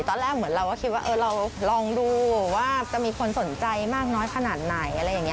ตอนแรกเหมือนเราก็คิดว่าเราลองดูว่าจะมีคนสนใจมากน้อยขนาดไหนอะไรอย่างนี้